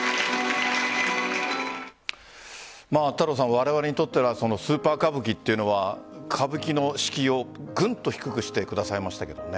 われわれにとってはスーパー歌舞伎というのは歌舞伎の敷居を、ぐんと低くしてくださいましたけどね。